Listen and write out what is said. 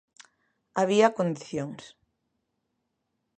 Había condicións.